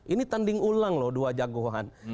ini tanding ulang loh dua jagoan